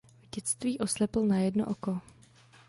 V dětství oslepl na jedno oko.